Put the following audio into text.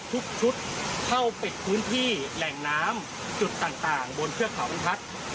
ทุกเข้าเป็นพื้นที่แหล่งน้ำจุดต่างบนเชื้อข่าวบินทัศน์